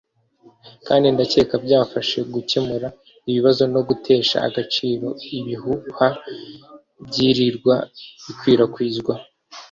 kandi ndakeka byafasha gukemura ikibazo no gutesha agaciro ibihuha byirirwa bikwirakwizwa